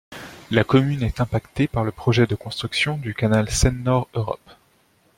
La commune est impactée par le projet de construction du canal Seine-Nord Europe.